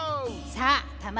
さあたま